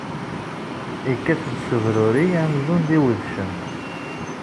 Ikkat-d s ubruri amzun d iwedcen.